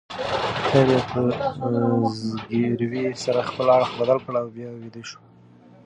هغې په زګیروي سره خپل اړخ بدل کړ او بیا ویده شوه.